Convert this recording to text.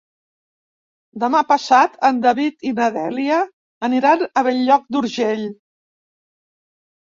Demà passat en David i na Dèlia aniran a Bell-lloc d'Urgell.